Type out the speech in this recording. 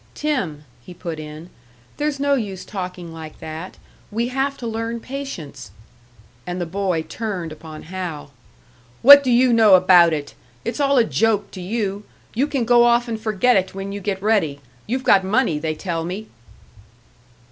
"Tim," he put in, "there's no use talking like that. We have to learn patience " And the boy turned upon Hal. "What do you know about it? It's all a joke to you. You can go off and forget it when you get ready. You've got money, they tell me!"